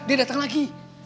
dia datang lagi